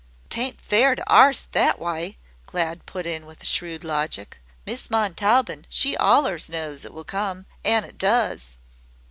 "'T ain't fair to arst that wye," Glad put in with shrewd logic. "Miss Montaubyn she allers knows it WILL come an' it does."